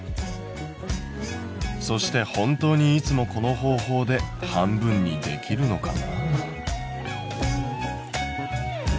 そして本当にいつもこの方法で半分にできるのかな？